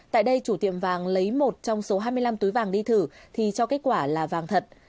tại đây chủ tiệm vàng lấy một trong số hai mươi năm túi vàng đi thử thì cho kết quả là vàng thật